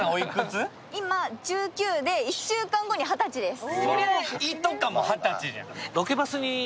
今、１９で１週間後に２０歳です。